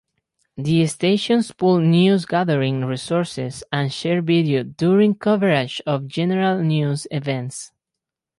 The stations pool newsgathering resources and share video during coverage of general news events.